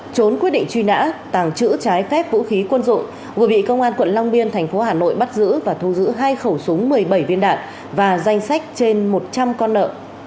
trốn quyết định truy nã tàng trữ trái phép vũ khí quân dụng vừa bị công an quận long biên thành phố hà nội bắt giữ và thu giữ hai khẩu súng một mươi bảy viên đạn và danh sách trên một trăm linh con nợ